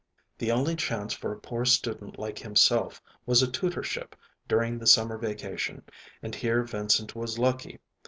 The only chance for a poor student like himself was a tutorship during the summer vacation, and here Vincent was lucky.